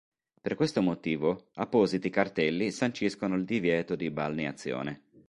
Per questo motivo appositi cartelli sanciscono il divieto di balneazione.